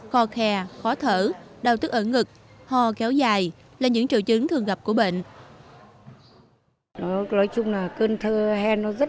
kho khe khó thở đau tức ở ngực ho kéo dài là những trợ chứng thường gặp của bệnh